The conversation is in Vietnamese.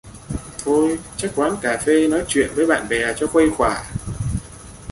Thôi chắc quán cà phê nói chuyện với bạn bè cho khuây khoả